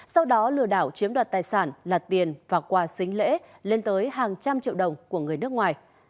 sau đó lừa đảo chiếm đoạt tài sản lặt tiền và quà xính lễ lên tới hàng trăm triệu đồng của người nước ngoài